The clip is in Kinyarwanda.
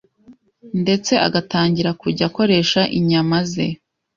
ndetse agatangira kujya akoresha inyama ze